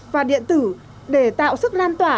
và điện tử để tạo sức lan tỏa